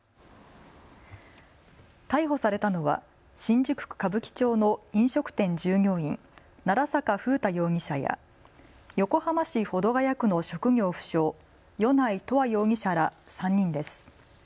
逮捕されたのは新宿区歌舞伎町の飲食店従業員、奈良坂楓太容疑者や横浜市保土ケ谷区の職業不詳、米内永遠容疑者ら３人です。